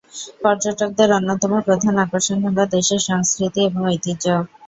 পর্যটকদের অন্যতম প্রধান আকর্ষণ হল দেশের সংস্কৃতি এবং ঐতিহ্য।